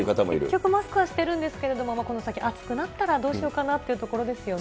結局マスクはしてるんだけど、暑くなったらどうしようかなというところですよね。